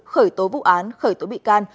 khởi tố vụ án khởi tố bị can